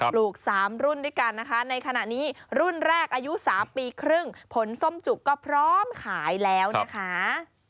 ลูก๓รุ่นด้วยกันนะคะในขณะนี้รุ่นแรกอายุ๓ปีครึ่งผลส้มจุกก็พร้อมขายแล้วนะคะ